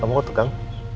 kamu mau tegang